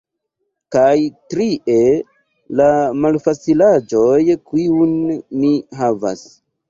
Kaj trie, la malfacilaĵoj, kiun mi havas.